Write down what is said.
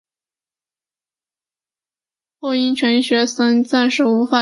后因钱学森暂时无法离美而未果。